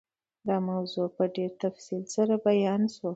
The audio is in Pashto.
دا موضوع په ډېر تفصیل سره بیان شوه.